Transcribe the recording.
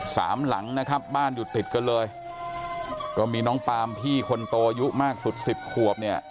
สามหลังนะครับบ้านอยู่ติดกันเลยก็มีน้องปามพี่คนโตอายุมากสุดสิบขวบเนี่ย